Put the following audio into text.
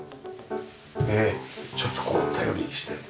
ちょっとこう頼りにして。